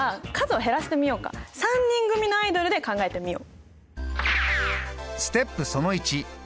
３人組のアイドルで考えてみよう。